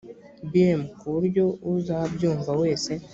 bm ku buryo uzabyumva wese